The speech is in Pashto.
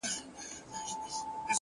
پوهه د انسان لید ژوروي،